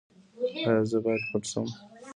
ایا زه باید پټ شم؟